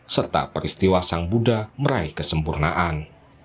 serta peristiwa sang buddha meraih kesempurnaan